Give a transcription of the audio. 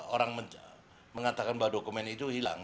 orang mengatakan bahwa dokumen itu hilang